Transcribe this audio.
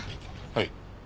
はい。